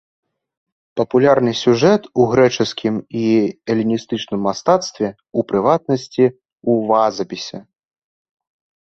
Папулярны сюжэт у грэчаскім і эліністычным мастацтве, у прыватнасці, у вазапісе.